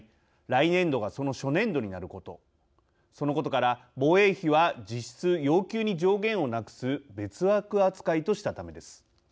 来年度がその初年度になることそのことから防衛費は実質要求に上限をなくす別枠扱いとしたためです。